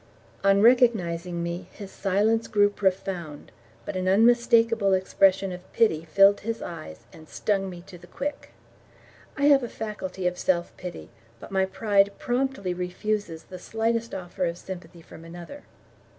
On recognizing me his silence grew profound, but an unmistakable expression of pity filled his eyes and stung me to the quick. I have a faculty of self pity, but my pride promptly refuses the slightest offer of sympathy from another.